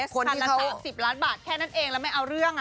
คันละ๓๐ล้านบาทแค่นั้นเองแล้วไม่เอาเรื่อง